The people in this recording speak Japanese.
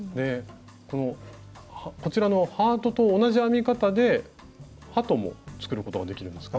こちらのハートと同じ編み方で鳩も作ることができるんですか？